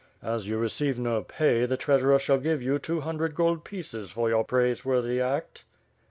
"As you receive no pay, the treasurer shall give you two hundred gold pieces for your praiseworthy act."